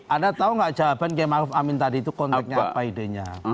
ada tau gak jawaban gema ruf amin tadi itu kontaknya apa idenya